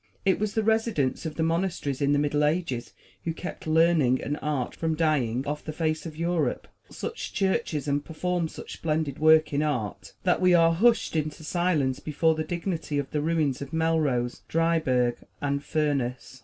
It was the residents of the monasteries in the Middle Ages who kept learning and art from dying off the face of Europe. They built such churches and performed such splendid work in art that we are hushed into silence before the dignity of the ruins of Melrose, Dryburgh and Furness.